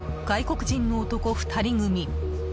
犯人は外国人の男２人組。